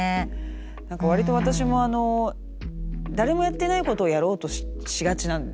何か割と私も誰もやってないことをやろうとしがちなんですよね。